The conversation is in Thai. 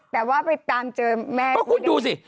แต่ว่าไปตามเจอแม่ก็คุณดูสิ